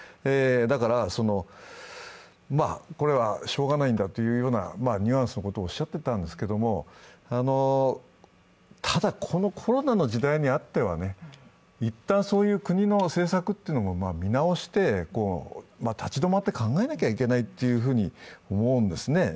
だから、これはしようがないんだというニュアンスのことをおっしゃっていたんですけれども、ただ、このコロナの時代にあっては一旦そういう国の政策も見直して立ち止まって考えなきゃいけないと思うんですね。